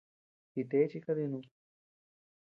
Jite chi kadinud.